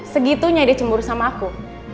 segitunya dia cemburu sama aku